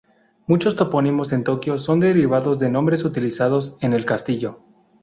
Muchos topónimos en Tokio son derivados de nombres utilizados en el castillo.